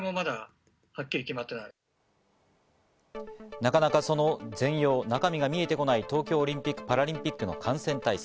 なかなか、その全容、中身が見えてこない東京オリンピック・パラリンピックの感染対策。